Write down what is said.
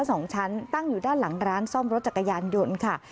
สองชั้นตั้งอยู่ด้านหลังร้านซ่อมรถจักรยานยนต์ค่ะ